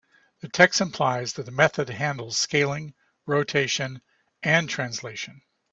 The text implies that method handles scaling, rotation, and translation.